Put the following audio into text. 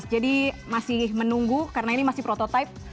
jadi masih menunggu karena ini masih prototipe